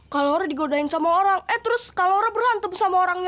kak laura digodain sama orang eh terus kak laura berhantem sama orangnya